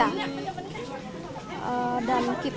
dan kita nggak bisa temukan tenganan dimanapun kita